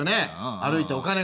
歩いてお金が。